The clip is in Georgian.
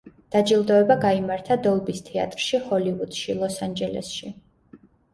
დაჯილდოება გაიმართა დოლბის თეატრში, ჰოლივუდში, ლოს-ანჯელესში.